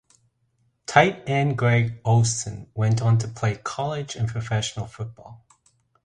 Tight end Greg Olsen went on to play college and professional football.